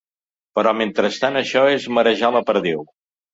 Però mentrestant això és marejar la perdiu.